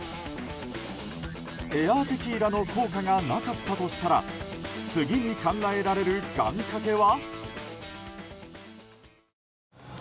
エアー・テキーラの効果がなかったとしたら次に考えられる願掛けは。